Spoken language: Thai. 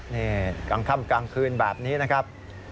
นี่กลางค่ำกลางคืนแบบนี้นะครับ